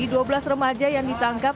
di dua belas remaja yang ditangkap